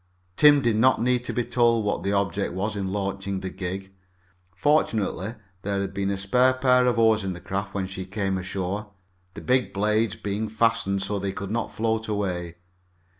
Tim did not need to be told what the object was in launching the gig. Fortunately there had been a spare pair of oars in the craft when she came ashore, the big blades being fastened so they could not float away.